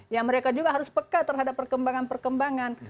ya mereka juga harus peka terhadap perkembangan perkembangan